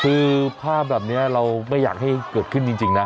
คือภาพแบบนี้เราไม่อยากให้เกิดขึ้นจริงนะ